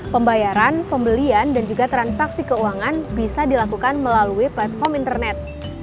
pembayaran pembelian dan juga transaksi keuangan bisa dilakukan melalui platform internet